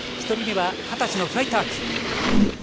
１人目は２０歳のフライターク。